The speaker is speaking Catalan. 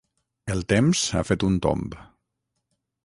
El temps ha fet un tomb.